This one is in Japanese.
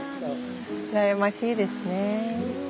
羨ましいですね。